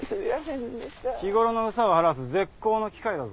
日頃の憂さを晴らす絶好の機会だぞ。